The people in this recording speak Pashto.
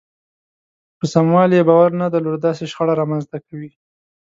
په سموالي يې باور نه لرل داسې شخړه رامنځته کوي.